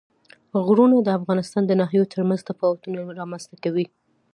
غرونه د افغانستان د ناحیو ترمنځ تفاوتونه رامنځ ته کوي.